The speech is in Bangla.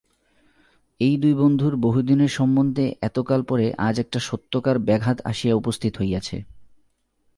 এই দুই বন্ধুর বহুদিনের সম্বন্ধে এতকাল পরে আজ একটা সত্যকার ব্যাঘাত আসিয়া উপস্থিত হইয়াছে।